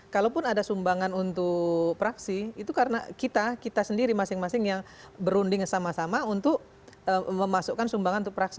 kalaupun ada sumbangan untuk praksi itu karena kita kita sendiri masing masing yang berunding sama sama untuk memasukkan sumbangan untuk praksi